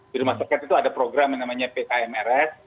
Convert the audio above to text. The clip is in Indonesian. di rumah sakit itu ada program yang namanya pkmrs